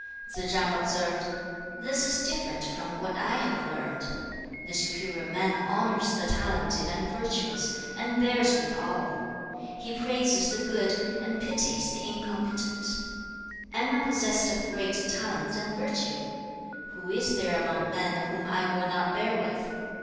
"' Tsze chang observed, 'This is different from what I have learned. The superior man honours the talented and virtuous, and bears with all. He praises the good, and pities the incompetent. Am I possessed of great talents and virtue? who is there among men whom I will not bear with?